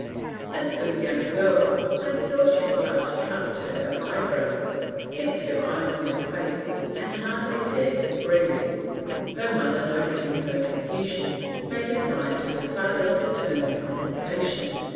As for the young girl, I saw she blushed up to her eyebrows, fixed her eyes on her plate, and hardly dared to breathe. Her mother, noticing her confusion, made a sign to her father to turn the conversation.